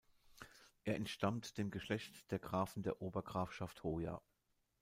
Er entstammt dem Geschlecht der Grafen der Obergrafschaft Hoya.